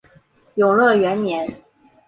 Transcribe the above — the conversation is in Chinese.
永乐元年。